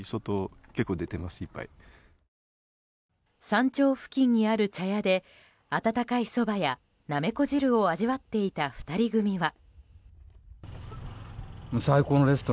山頂付近にある茶屋で温かいそばやなめこ汁を味わっていた２人組は。